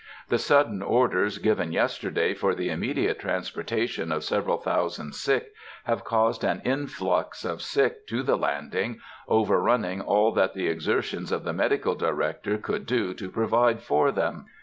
The sudden orders given yesterday for the immediate transportation of several thousand sick, have caused an influx of sick to the landing, overrunning all that the exertions of the Medical Director could do to provide for them....